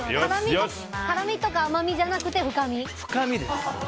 辛みとか甘みじゃなくて深み？